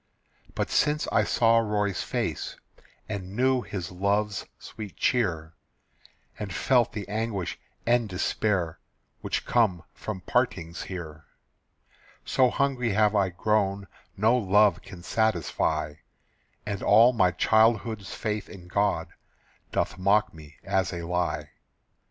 But since I saw Roy's face, And knew his love's sweet cheer, And felt the anguish and despair Which come from partings here, So hungry have I grown No love can satisfy, And all my childhood's faith in God Doth mock me as a lie.